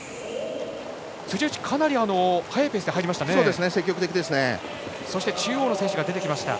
辻内、かなり速いペースで入りましたね。